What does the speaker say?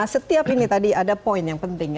setiap ini tadi ada poin yang penting